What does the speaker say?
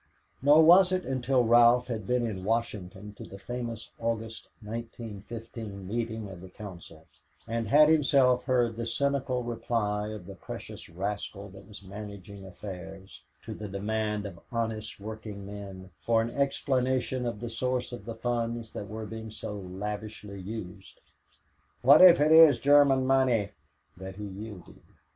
Nor was it until Ralph had been in Washington to the famous August, 1915, meeting of the council and had himself heard the cynical reply of the precious rascal that was managing affairs, to the demand of honest working men for an explanation of the source of the funds that were being so lavishly used, "What if it is German money?" that he yielded.